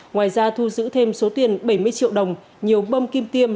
ngoài ra thu giữ thêm số tiền bảy mươi triệu đồng nhiều bơm kim tiêm